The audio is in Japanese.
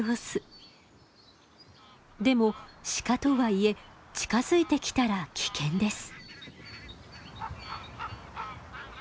でもシカとはいえ近づいてきたら危険です。